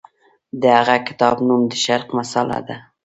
د هغه کتاب نوم د شرق مسأله ده.